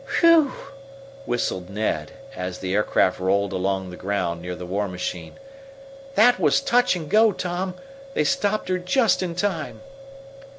"Whew!" whistled Ned, as the aircraft rolled along the ground near the war machine. "That was touch and go, Tom! They stopped her just in time."